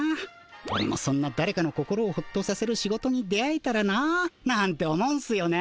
オレもそんなだれかの心をホッとさせる仕事に出会えたらななんて思うんすよね